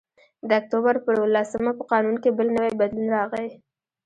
د اکتوبر په اوولسمه په قانون کې بل نوی بدلون راغی